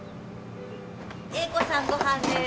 エイ子さんごはんです。